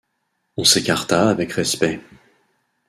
On s’écarta avec respect.